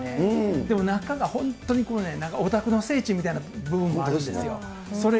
でも中が本当にこうね、オタクの聖地みたいな部分もあるんですよ。